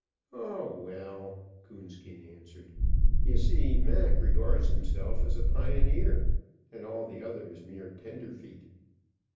"Oh, well," Coonskin answered, "you see Mac regards himself a pioneer and all the others mere tenderfeet."